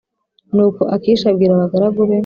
Nuko Akishi abwira abagaragu be